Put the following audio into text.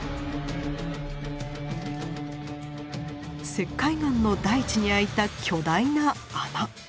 石灰岩の大地に開いた巨大な穴。